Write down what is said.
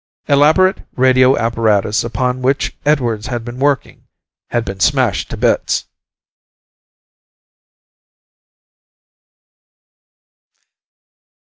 Elaborate radio apparatus upon which Edwards had been working had been smashed to bits.